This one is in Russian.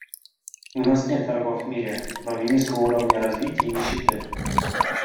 У нас нет врагов в мире, кроме низкого уровня развития и нищеты.